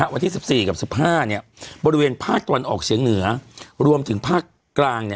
วันที่๑๔กับ๑๕บริเวณภาคตะวันออกเฉียงเหนือรวมถึงภาคกลาง